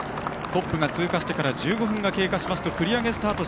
トップが通過してから１５分が経過しますと繰り上げスタート